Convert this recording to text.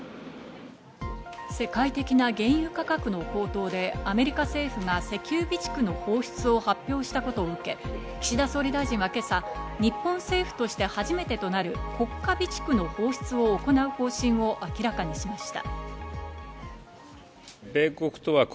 世界的な原油価格の高騰でアメリカ政府が石油備蓄の放出を発表したことを受け、岸田総理大臣は今朝、日本政府として初めてとなる国家備蓄の放出を行う方針を明らかにしました。